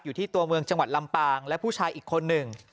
อยู่ที่ตัวเมืองจังหวัดลำปางและผู้ชายอีกคนหนึ่ง